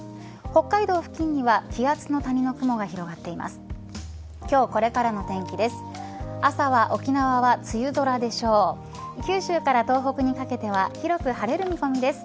北海道付近には気圧の谷の雲が広がっています。